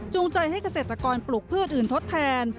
ใจให้เกษตรกรปลูกพืชอื่นทดแทน